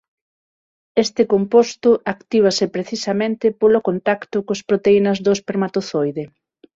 Este composto actívase precisamente polo contacto coas proteínas do espermatozoide.